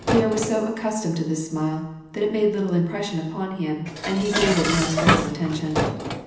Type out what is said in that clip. Pierre was so accustomed to this smile, that it made little impression upon him, and he gave it no special attention.